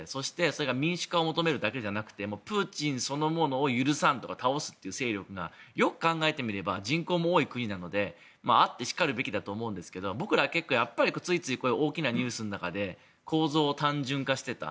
、それが民主化を求めるだけじゃなくてプーチンそのものを許さんとか倒すっていう勢力がよく考えてみれば人口も多い国なのであってしかるべきだと思うんですが、僕らはついつい大きなニュースの中で構造を単純化していた。